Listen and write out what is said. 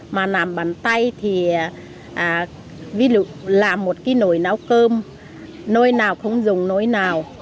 mà làm bàn tay thì ví dụ làm một cái nồi nấu cơm nồi nào không dùng nồi nào